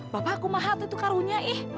bapak aku mahat itu karunya ih